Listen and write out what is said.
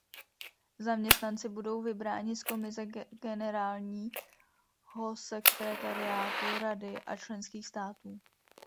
Zaměstnanci budou vybráni z Komise, generálníhosekretariátu Rady a členských států.